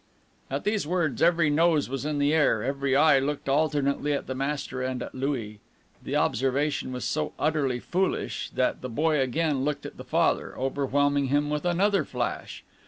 At these words every nose was in the air, every eye looked alternately at the master and at Louis. The observation was so utterly foolish, that the boy again looked at the Father, overwhelming him with another flash.